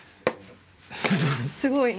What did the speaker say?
すごいね。